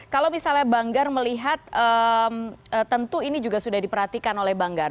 kalau misalnya banggar melihat tentu ini juga sudah diperhatikan oleh banggar